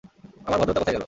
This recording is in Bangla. আমার ভদ্রতা কোথায় গেল?